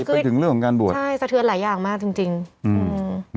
ไปถึงเรื่องของการบวชใช่สะเทือนหลายอย่างมากจริงจริงอืม